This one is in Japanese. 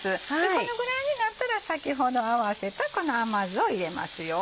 このぐらいになったら先ほど合わせたこの甘酢を入れますよ。